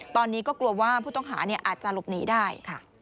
ตอนนี้ก็กลัวว่าผู้ต้องหาอาจจะหลบหนีได้ค่ะ